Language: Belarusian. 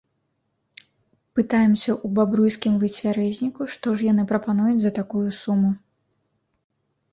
Пытаемся ў бабруйскім выцвярэзніку, што ж яны прапануюць за такую суму.